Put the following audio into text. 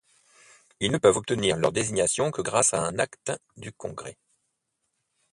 Ils ne peuvent obtenir leur désignation que grâce à un act du Congrès.